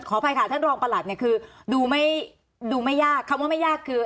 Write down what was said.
อภัยค่ะท่านรองประหลัดเนี่ยคือดูไม่ดูไม่ยากคำว่าไม่ยากคือ